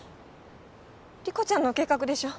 理子ちゃんの計画でしょ？